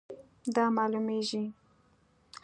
دا معلومیږي